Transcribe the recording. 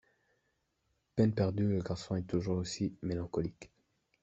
Peine perdue, le garçon est toujours aussi mélancolique.